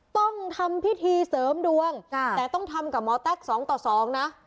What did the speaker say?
ต้องทำพิธีเสริมดวงแต่ต้องทำกับหมอแต๊กสองต่อสองนะ